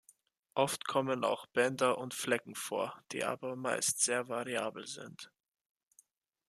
Oft kommen auch Bänder und Flecken vor, die aber meist sehr variabel sind.